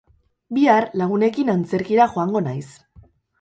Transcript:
Bihar lagunekin antzerkira joango naiz.